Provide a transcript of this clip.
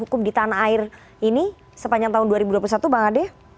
ketegasan itu maksudnya